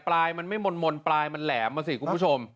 ปลายมันไม่มนปลายมันแหลมมาสิคุณผู้ชม